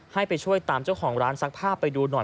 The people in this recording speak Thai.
ให้ไปช่วยตามเจ้าของร้านซักผ้าไปดูหน่อย